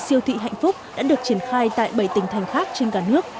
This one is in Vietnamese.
các mặt hàng chủ yếu đã được triển khai tại bảy tỉnh thành cả nước